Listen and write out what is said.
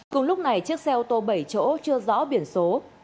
cùng lúc này chiếc xe ô tô bảy chỗ chưa rõ biển số